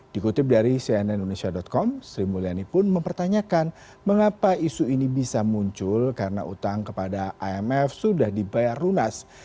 dikutip dari cnn indonesia com sri mulyani pun mempertanyakan mengapa isu ini bisa muncul karena utang kepada imf sudah dibayar lunas